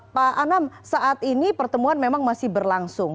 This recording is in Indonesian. pak anam saat ini pertemuan memang masih berlangsung